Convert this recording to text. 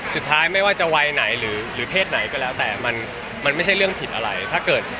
ถูกท้ายไม่ว่าจะวัยไหนหรือเทศไหนก็แล้วแต่มันไม่ใช่เรื่องผิดอะไร